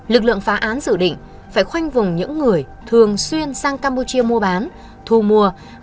lực lượng phá án dự định phải khoanh vùng những người thường xuyên sang campuchia mua bán thu mua và đổi hàng hóa